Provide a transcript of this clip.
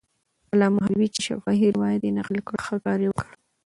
علامه حبیبي چې شفاهي روایت یې نقل کړ، ښه کار یې وکړ.